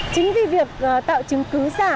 chính vì việc tạo chứng cứ xả